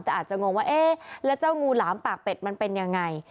แต่อาจจะงงว่าเอ๊ะแล้วเจ้างูหลามปากเป็ดมันเป็นยังไง